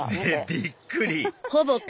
びっくり！